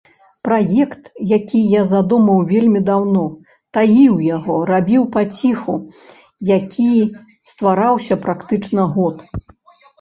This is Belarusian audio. Праект, які я задумаў вельмі даўно, таіў яго, рабіў паціху, які ствараўся практычна год.